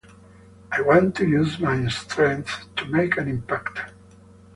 I want to use my strength to make an impact.